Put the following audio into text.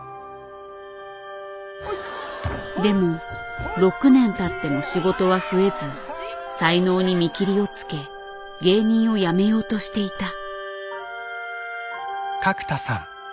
でも６年たっても仕事は増えず才能に見切りをつけ芸人をやめようとしていた。